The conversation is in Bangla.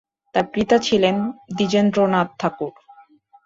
তাঁর পিতা ছিলেন দ্বিজেন্দ্রনাথ ঠাকুর।